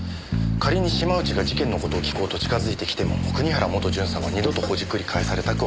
仮に島内が事件の事を聞こうと近づいてきても国原元巡査は二度とほじくり返されたくはなかった。